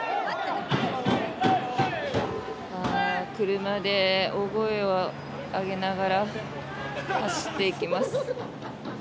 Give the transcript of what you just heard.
車で大声を上げながら走っていきます。